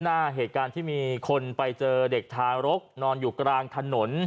หน้าเหตุการณ์ที่มีคนไปเจอเด็กทารกนอนอยู่กลางถนน